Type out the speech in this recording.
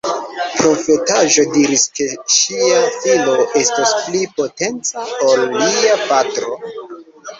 Profetaĵo diris, ke ŝia filo estos pli potenca ol lia patro.